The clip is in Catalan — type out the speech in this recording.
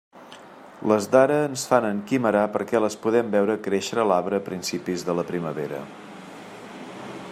Les d'ara ens fan enquimerar perquè les podem veure créixer a l'arbre a principis de la primavera.